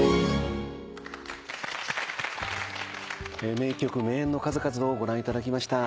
名曲名演の数々をご覧いただきました。